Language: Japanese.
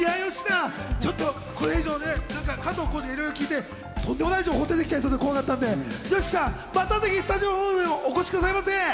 ちょっと、これ以上ね、加藤浩次がいろいろ聞いて、とんでもない情報が出てきちゃいそうで怖かったので、またぜひスタジオにもお越しくださいませ。